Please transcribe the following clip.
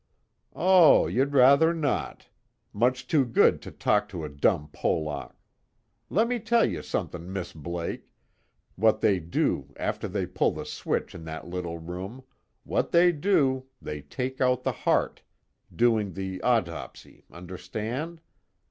"Oh, you'd rather not. Much too good to talk to a dumb Polack. Let me tell you somet'ing, Miss Blake, what they do after they pull the switch in that little room what they do, they take out the heart, doing the oddopsy, understand?